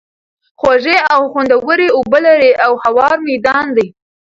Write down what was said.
خوږې او خوندوَري اوبه لري، او هوار ميدان دی